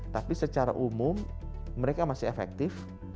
tapi secara umum mereka masih efektif